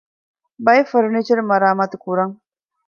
ބައެއް ފަރުނީޗަރު މަރާމާތު ކުރަން